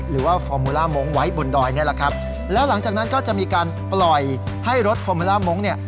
หรือว่าฟอร์มูล่ามงค์ไว้บนดอยนี่แหละครับแล้วหลังจากนั้นก็จะมีการปล่อยให้รถฟอร์มูล่ามงค์เนี่ย